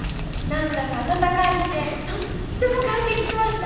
何だか温かい火でとっても感激しました。